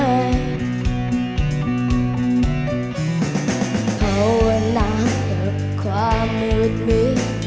เพราะวันนั้นเผ็บความมืดมี